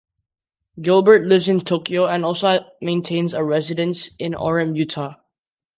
Gilbert lives in Tokyo and also maintains a residence in Orem, Utah.